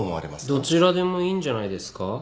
どちらでもいいんじゃないですか。